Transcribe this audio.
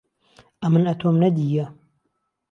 ئەمن ئەتۆم نەدییە